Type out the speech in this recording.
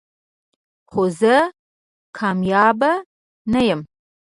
خو زه کامیاب نه یم .